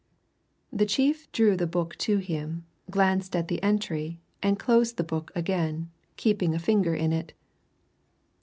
The chief drew the book to him, glanced at the entry, and closed the book again, keeping a finger in it.